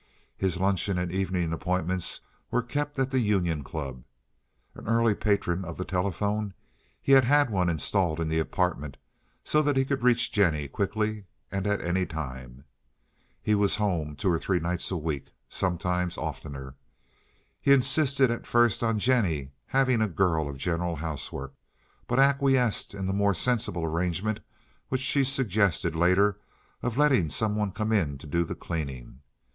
His luncheon and evening appointments were kept at the Union Club. An early patron of the telephone, he had one installed in the apartment, so that he could reach Jennie quickly and at any time. He was home two or three nights a week, sometimes oftener. He insisted at first on Jennie having a girl of general housework, but acquiesced in the more sensible arrangement which she suggested later of letting some one come in to do the cleaning.